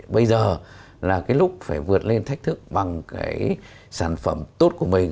bây giờ là cái lúc phải vượt lên thách thức bằng cái sản phẩm tốt của mình